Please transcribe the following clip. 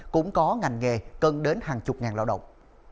cũng có ngành nghề cần đến hàng chục ngàn lao động